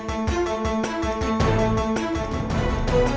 kok itu kayak manusia